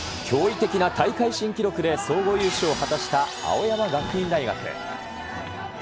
驚異的な大会新記録で総合優勝を果たした青山学院大学。